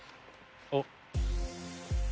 あっ。